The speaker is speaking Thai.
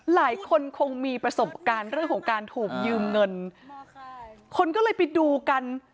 หลายคนคงมีประสบการณ์เรื่องของการถูกยืมเงินคนก็เลยไปดูกัน